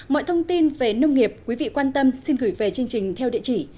mọi thông tin về nông nghiệp quý vị quan tâm xin gửi về chương trình theo địa chỉ